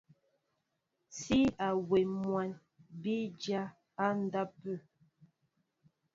Sí awɛm mwǎ bí dya á ndápə̂.